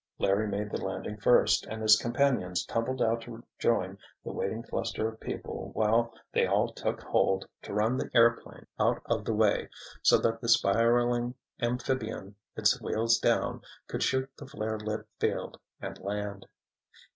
Larry made the landing first, and his companions tumbled out to join the waiting cluster of people while they all "took hold" to run the airplane out of the way so that the spiraling amphibian, its wheels down, could shoot the flare lit field, and land.